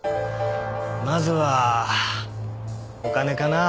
まずはお金かな？